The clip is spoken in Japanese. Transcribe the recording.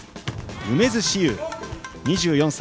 梅津志悠、２４歳。